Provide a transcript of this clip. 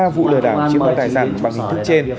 ba vụ lừa đảo chiếm đoàn tài sản bằng hình thức trên